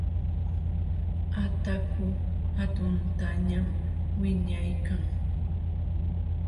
Ataku hatuntañam wiñaykan.